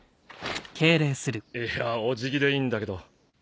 いやお辞儀でいいんだけど。